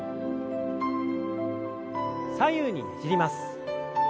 左右にねじります。